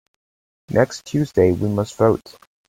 Next Tuesday we must vote.